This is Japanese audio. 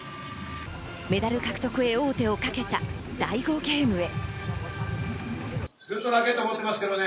メダル獲得へ王手をかけた第５ゲームへ。